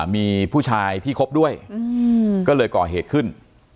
มีผู้ชายที่คบด้วยก็เลยก่อเหตุขึ้น